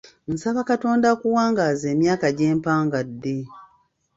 Nsaba Katonda akuwangaaze emyaka gye mpangadde.